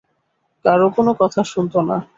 কারো কোনো কথা শুনত না।